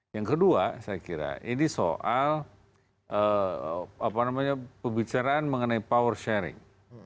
yang kedua saya kira ini soal pembicaraan mengenai power sharing